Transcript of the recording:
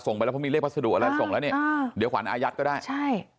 ไปแล้วเพราะมีเลขพัสดุอะไรส่งแล้วเนี่ยเดี๋ยวขวัญอายัดก็ได้ใช่